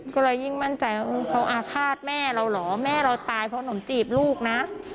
ก็เลยยิ่งมั่นใจว่าเขาอาฆาตแม่เราเหรอแม่เราตายเพราะหนมจีบลูกนะ